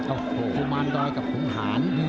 โอ้โหมันดอยกับภูมิหาญ